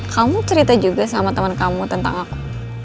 kamu cerita juga sama teman kamu tentang aku